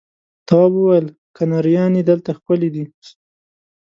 تواب وويل: کنریانې دلته ښکلې دي.